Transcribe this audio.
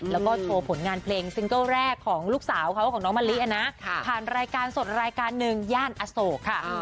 แล้วก็โชว์ผลงานเพลงซิงเกิ้ลแรกของลูกสาวเขาของน้องมะลินะผ่านรายการสดรายการหนึ่งย่านอโศกค่ะ